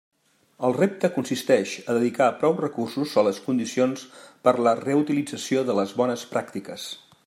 El repte consisteix a dedicar prou recursos a les condicions per a la reutilització de les bones pràctiques.